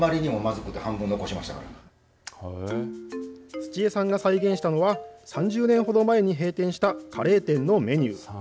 土江さんが再現したのは３０年ほど前に閉店したカレー店のメニュー。